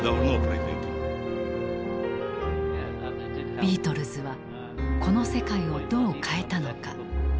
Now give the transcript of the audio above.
ビートルズはこの世界をどう変えたのか。